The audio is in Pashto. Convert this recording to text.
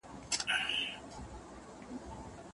ډېر ناوخته به دوی پوه سوې چي څه چل دی